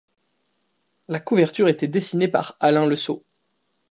La couverture était dessinée par Alain Le Saux.